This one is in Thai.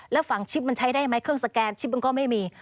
แล้วฝั่งชิปมันใช้ได้ไหมเครื่องสแกนชิปมันก็ไม่มี